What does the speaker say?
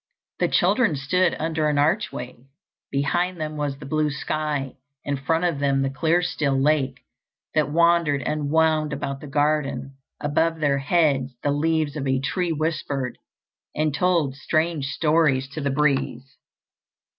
The children stood under an archway. Behind them was the blue sky; in front of them the clear, still lake that wandered and wound about the garden; above their heads the leaves of a tree whispered and told strange stories to the breeze.